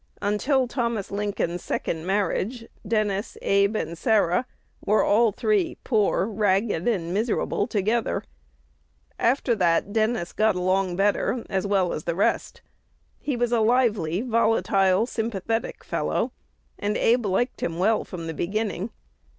Until Thomas Lincoln's second marriage, Dennis, Abe, and Sarah were all three poor, ragged, and miserable together. After that, Dennis got along better, as well as the rest. He was a lively, volatile, sympathetic fellow, and Abe liked him well from the beginning.